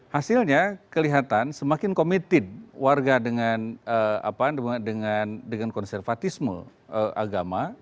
hasilnya kelihatan semakin committed warga dengan konservatisme agama